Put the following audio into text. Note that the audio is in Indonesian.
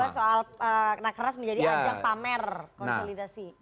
yang kedua soal rakanas menjadi anjak pamer konsolidasi